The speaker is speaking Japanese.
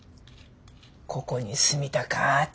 ここに住みたかっち。